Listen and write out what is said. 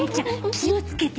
気を付けてよ！